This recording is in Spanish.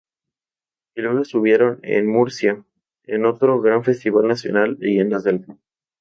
Y luego estuvieron en Murcia, en otro gran festival nacional, "Leyendas del Rock".